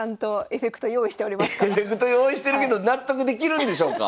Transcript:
エフェクト用意してるけど納得できるんでしょうか？